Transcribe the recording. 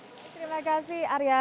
terima kasih arya